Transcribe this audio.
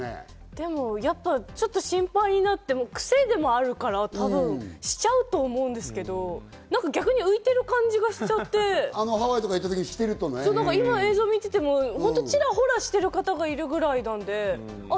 でもちょっと心配になって、くせでもあるから、しちゃうと思うんですけど、逆に浮いている感じがしちゃって今、映像見ていても、ちらほらしている方がいるみたいなだけで。